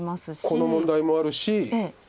この問題もあるし